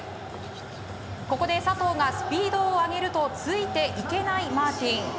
ここで佐藤がスピードを上げるとついていけないマーティン。